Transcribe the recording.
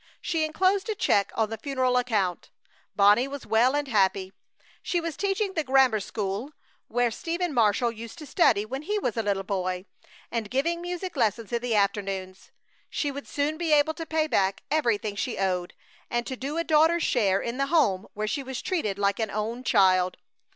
She enclosed a check on the funeral account. Bonnie was well and happy. She was teaching the grammar school where Stephen Marshall used to study when he was a little boy, and giving music lessons in the afternoons. She would soon be able to pay back everything she owed and to do a daughter's share in the home where she was treated like an own child.